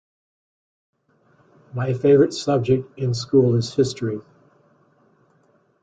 My favorite subject in school is history.